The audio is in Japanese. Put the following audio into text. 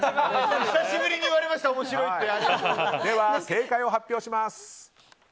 久しぶりに言われましたでは正解を発表します。